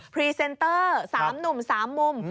พรีเซนตเตอร์สามหนุ่มสามมุม